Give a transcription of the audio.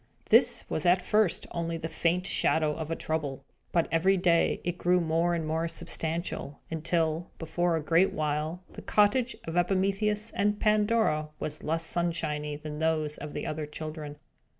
This was at first only the faint shadow of a Trouble; but, every day, it grew more and more substantial, until, before a great while, the cottage of Epimetheus and Pandora was less sunshiny than those of the other children.